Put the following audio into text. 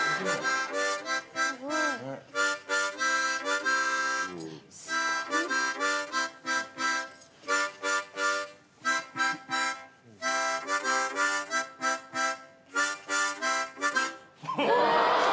すごい。おぉ！